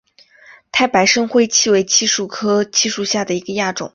太白深灰槭为槭树科槭属下的一个亚种。